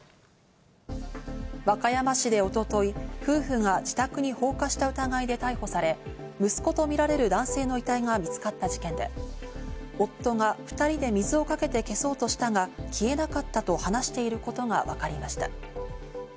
和歌山市で一昨日、夫婦が自宅に放火した疑いで逮捕され、息子とみられる男性の遺体が見つかった事件で、夫が２人で水をかけて消そうとしたが、消えなかったと話していることがわかりました。